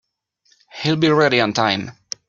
He'll be ready on time.